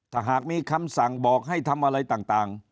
ถ้าหากมีคำสั่งบอกให้ทำอะไรต่าง